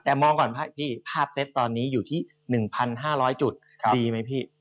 แต่มองก่อนพี่ภาพเซตตอนนี้อยู่ที่๑๕๐๐จุดดีไหมพี่